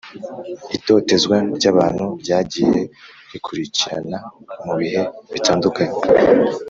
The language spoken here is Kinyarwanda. Itotezwa ry’abantu ryagiye rikurikirana mu bihe bitandukanye